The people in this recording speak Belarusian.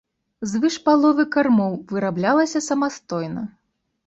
Звыш паловы кармоў выраблялася самастойна.